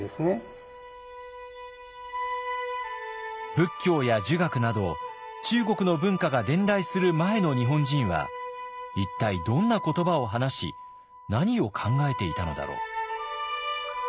仏教や儒学など中国の文化が伝来する前の日本人は一体どんな言葉を話し何を考えていたのだろう？